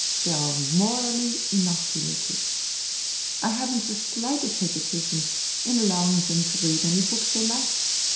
They are morally inoculated. I haven't the slightest hesitation in allowing them to read any books they like.